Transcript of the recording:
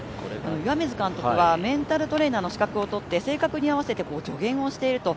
岩水監督はメンタルトレーナーの資格を取って性格に合わせて助言をしていると。